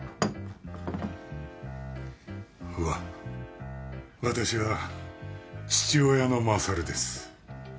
わ私は父親の勝です。